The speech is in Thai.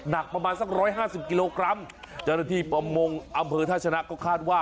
หนักประมาณสักร้อยห้าสิบกิโลกรัมเจ้าหน้าที่ประมงอำเภอท่าชนะก็คาดว่า